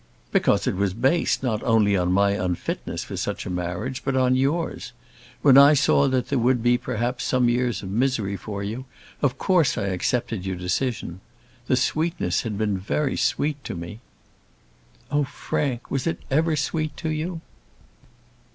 "Because it was based not only on my unfitness for such a marriage, but on yours. When I saw that there would be perhaps some years of misery for you, of course I accepted your decision. The sweetness had been very sweet to me." "Oh Frank, was it ever sweet to you?"